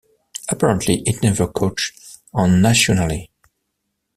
Apparently it never caught on nationally.